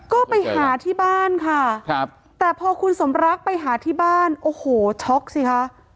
ก็ไปหาที่บ้านค่ะครับแต่พอคุณสมรักไปหาที่บ้านโอ้โหช็อกสิคะ